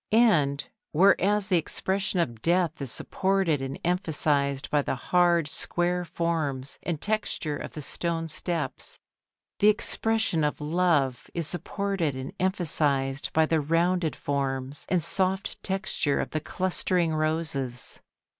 And whereas the expression of Death is supported and emphasised by the hard, square forms and texture of the stone steps, the expression of Love is supported and emphasised by the rounded forms and soft texture of the clustering roses.